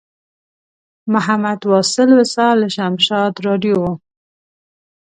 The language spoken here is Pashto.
محمد واصل وصال له شمشاد راډیو و.